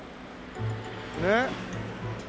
ねっ？